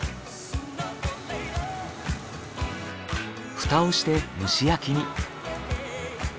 フタをして蒸し焼きに。